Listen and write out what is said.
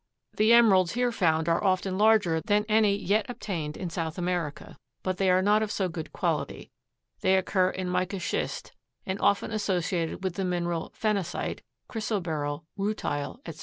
The emeralds here found are often larger than any yet obtained in South America, but they are not of so good quality. They occur in mica schist (see colored plate), and often associated with the mineral phenacite, chrysoberyl, rutile, etc.